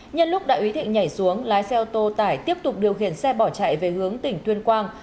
nhân lúc đại úy thịnh nhảy xuống lái xe ô tô tải tiếp tục điều khiển xe bỏ chạy về hướng tỉnh tuyên quang